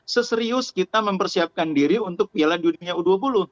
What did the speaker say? seserius kita mempersiapkan diri untuk piala dunia u dua puluh